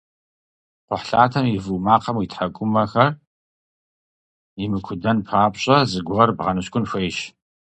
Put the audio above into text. Кхъухьлъатэм и вуу макъым уи тхьэкӏумэхэр имыкудэн папщӏэ зыгуэр бгъэныщкӏун хуейщ.